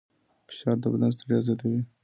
فشار د بدن ستړیا زیاتوي.